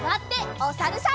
おさるさん。